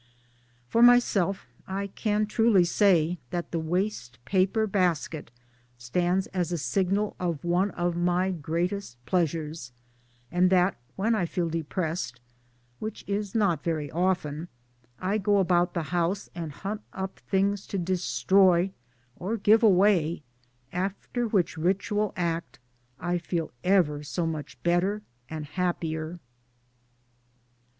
For myself I can truly say that the Waste Paper Basket stands as a signal of one of my greatest pleasures ; and that when I feel depressed (which is not very often) I go about the house and hunt up things to destroy or give away after which ritual act I feel ever soj much better and happier.